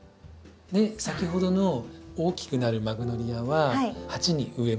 先ほどの大きくなるマグノリアは鉢に植えました。